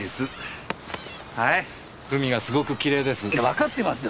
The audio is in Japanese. わかってますよ！